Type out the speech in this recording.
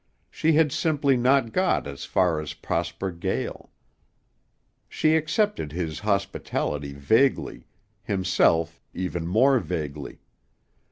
She had simply not got as far as Prosper Gael. She accepted his hospitality vaguely, himself even more vaguely.